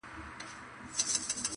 د یارانو پکښي سخت مخالفت سو.!